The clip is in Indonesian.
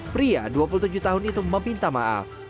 pria dua puluh tujuh tahun itu meminta maaf